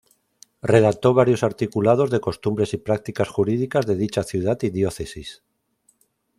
Redactó varios articulados de costumbres y prácticas jurídicas de dicha ciudad y diócesis.